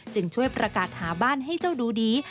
จึงช่วยประกาศหาบ้านให้เจ้าดูดี